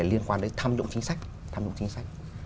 liên quan đến tham dụng chính sách